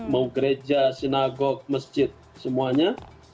mau gereja sinagok masjid semuanya